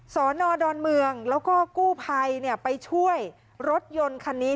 สอนอดอนเมืองแล้วก็กู้ภัยไปช่วยรถยนต์คันนี้